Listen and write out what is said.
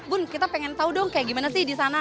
bun kita pengen tahu dong kayak gimana sih di sana